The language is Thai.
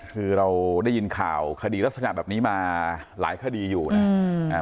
คือเราได้ยินข่าวคดีลักษณะแบบนี้มาหลายคดีอยู่นะ